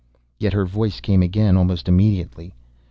Yet her voice came again almost immediately.